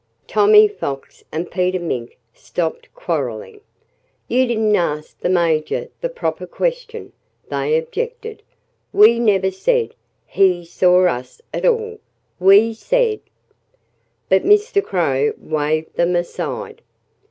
Tommy Fox and Peter Mink stopped quarreling. "You didn't ask the Major the proper question!" they objected. "We never said he saw us at all! We said " But Mr. Crow waved them aside.